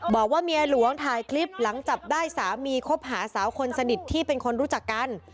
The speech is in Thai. บอกว่าเมียหลวงถ่ายคลิปหลังจับได้สามีคบหาสาวคนสนิทที่เป็นคนรู้จักกัน